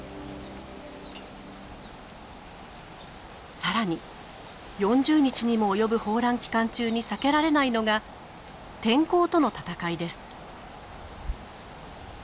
さらに４０日にも及ぶ抱卵期間中に避けられないのが天候との闘いです。